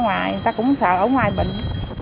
người ta cũng sợ ở ngoài bệnh